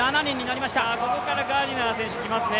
ここからガーディナー選手きますね。